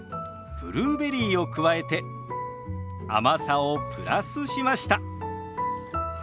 ブルーベリーを加えて甘さをプラスしました。